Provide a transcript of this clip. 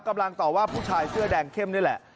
กำลังต่อว่าผู้ชายเสื้อแดงเข้มนี่แหละ